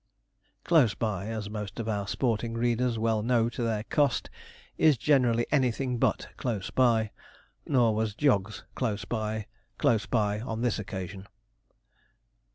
'Close by,' as most of our sporting readers well know to their cost, is generally anything but close by. Nor was Jog's close by, close by on this occasion.